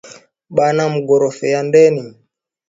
Bana mugorofea ndeni